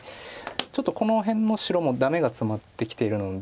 ちょっとこの辺の白もダメがツマってきてるので。